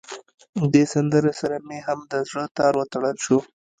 دې سندره سره مې هم د زړه تار وتړل شو.